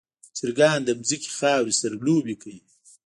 چرګان د ځمکې خاورې سره لوبې کوي.